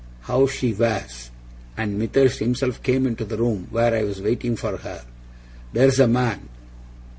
How SHE wears! and Mithers himself came into the room where I was waiting for her THERE'S a man!